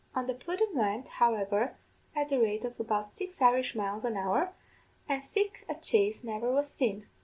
On the pudden went, however, at the rate of about six Irish miles an hour, an' sich a chase never was seen.